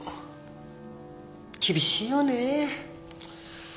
厳しいよね。